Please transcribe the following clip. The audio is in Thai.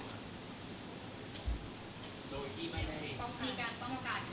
มีการป้องกัน